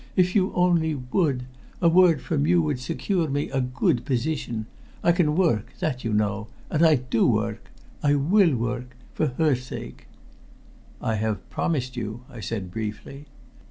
"If you only would! A word from you would secure me a good position. I can work, that you know and I do work. I will work for her sake." "I have promised you," I said briefly.